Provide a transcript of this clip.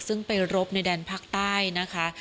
ซึ่งไปรบในแดนภาคใต้นะคะ